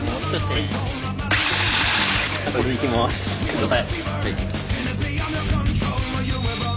了解。